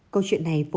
câu chuyện này vốn